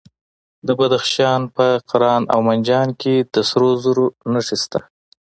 د بدخشان په کران او منجان کې د سرو زرو نښې شته.